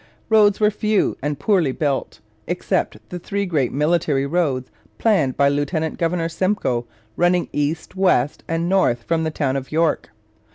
Roads were few and poorly built, except the three great military roads planned by Lieutenant Governor Simcoe running east, west, and north from the town of York.